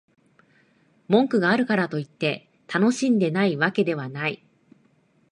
文句があるからといって、楽しんでないわけではない